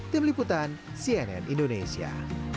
tim liputan cnn indonesia